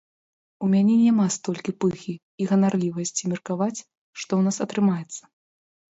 У мяне няма столькі пыхі і ганарлівасці меркаваць, што ў нас атрымаецца.